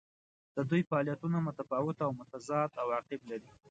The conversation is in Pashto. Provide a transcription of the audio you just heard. د دوی فعالیتونه متفاوت او متضاد عواقب لري.